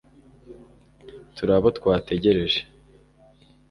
turi abo twategereje